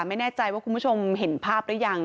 ไม่แน่ใจว่าคุณผู้ชมเห็นภาพหรือยัง